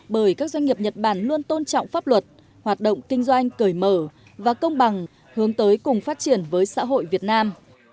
bởi các doanh nghiệp nhật bản luôn tôn trọng pháp luật hoạt động kinh doanh cởi mở và công bằng hướng tới cùng phát triển với xã hội việt nam